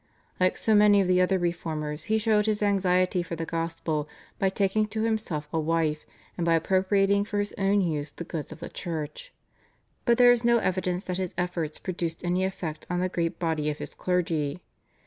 Like so many of the other Reformers he showed his anxiety for the gospel by taking to himself a wife and by appropriating for his own use the goods of the Church, but there is no evidence that his efforts produced any effect on the great body of his clergy.